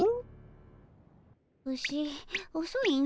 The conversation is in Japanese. ウシおそいの。